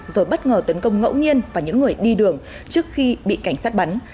rồi bất ngờ tấn công ngẫu nhiên vào những người đi đường trước khi bị cảnh sát bắn